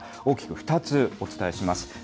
大きく２つお伝えします。